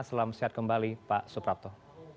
selamat siang kembali pak suprapto